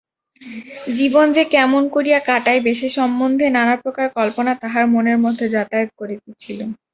জীবন যে কেমন করিয়া কাটাইবে সে সম্বন্ধে নানাপ্রকার কল্পনা তাহার মনের মধ্যে যাতায়াত করিতেছিল।